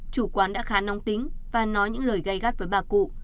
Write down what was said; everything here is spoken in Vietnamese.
chủ quán đã khá nóng tính và nói những lời gây gắt với bà cụ